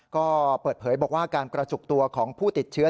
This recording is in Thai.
ก็เปิดเผยบอกว่าการกระจุกตัวของผู้ติดเชื้อ